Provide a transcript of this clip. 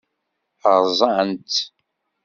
Rẓan-tt.